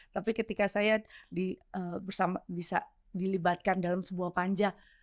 tapi ketika saya bisa dilibatkan dalam sebuah panja